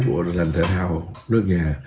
của lần thể thao nước nhà